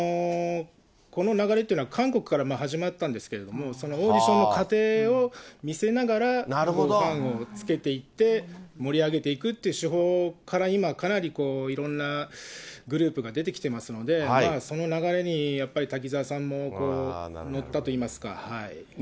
この流れというのは、韓国から始まったんですけれども、そのオーディションの過程を見せながら、ファンをつけていって、盛り上げていくという手法から今、かなりいろんなグループが出てきてますので、その流れにやっぱり滝沢さんも乗ったといいますか。